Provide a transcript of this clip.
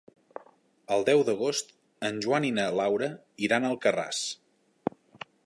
El deu d'agost en Joan i na Laura iran a Alcarràs.